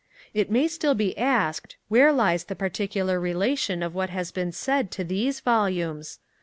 It may still be asked, where lies the particular relation of what has been said to these Volumes?